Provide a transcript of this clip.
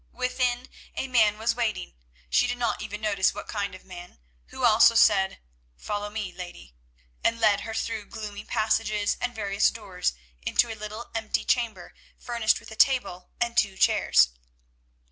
Within a man was waiting—she did not even notice what kind of man—who also said, "Follow me, lady," and led her through gloomy passages and various doors into a little empty chamber furnished with a table and two chairs.